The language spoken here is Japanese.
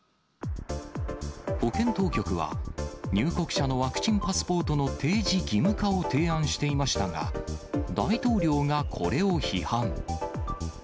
保健当局は、入国者のワクチンパスポートの提示義務化を提案していましたが、大統領がこれを批判。